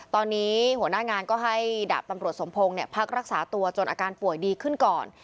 ตอนนี้หัวหน้างานก็ให้ดาบตำรวจสมพงศ์พักรักษาตัวจนอาการป่วยดีขึ้นก่อน